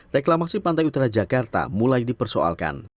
reklamasi pantai utara jakarta mulai dipersoalkan